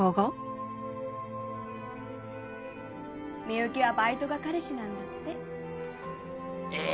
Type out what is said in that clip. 深雪はバイトが彼氏なんだって。え！